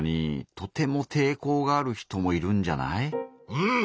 うん。